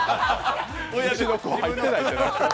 うちの子入ってないってなる。